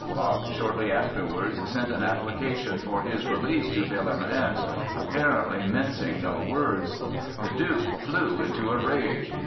Bach shortly afterwards sent an application for his release to Wilhelm Ernst, apparently mincing no words. The Duke flew into a rage.